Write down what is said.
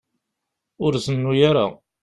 Ur zennu ara.